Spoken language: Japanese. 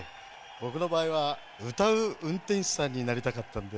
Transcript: ぼくのばあいはうたううんてんしゅさんになりたかったんです。